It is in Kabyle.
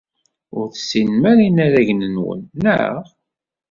Ur tessinem ara inaragen-nwen, naɣ?